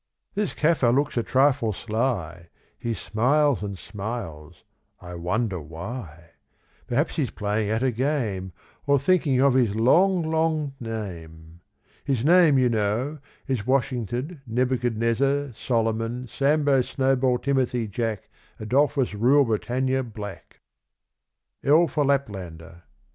This Kaffir looks a trifle sly, He smiles and smiles, I wonder why? Perhaps he's playing at a game, Or thinking of his long, long name. His name, you know, is Washington Neb u chad nez zar Solomon Sambo Snowball Timothy Jack Adolphus Rule Britannia Black. L for Laplander.